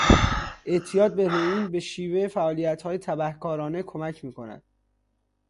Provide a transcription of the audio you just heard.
اعتیاد به هرویین به شیوع فعالیتهای تبهکارانه کمک میکند.